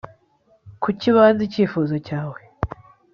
kuki banze icyifuzo cyawe